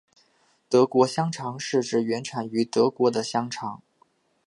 德国香肠是指原产于德国的香肠。